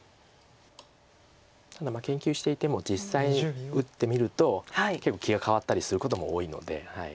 ただ研究していても実際打ってみると結構気が変わったりすることも多いので。